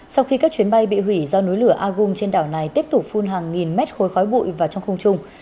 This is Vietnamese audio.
sau khi các chuyến bay bị hủy do núi lửa agung trên đảo này tiếp tục phun hàng nghìn mét khối khói bụi vào trong không trùng